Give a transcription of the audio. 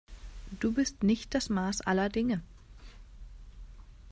Du bist nicht das Maß aller Dinge.